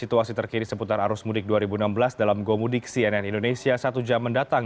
situasi terkini seputar arus mudik dua ribu enam belas dalam gomudik cnn indonesia satu jam mendatang